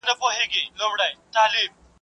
زه اوږده وخت سړو ته خواړه ورکوم!؟